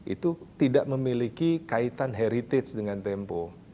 itu tidak memiliki kaitan heritage dengan tempo